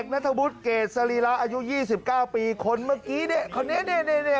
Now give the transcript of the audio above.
๑๑นัฐบุตรเกรษศรีราอายุ๒๙ปีคนเมื่อกี้เนี่ย